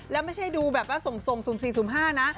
แล้วไม่ใช่ดูแบบส่ง๐๔๐๕นะ